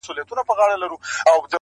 قاضي ډېر قهر نیولی دئ سړي ته,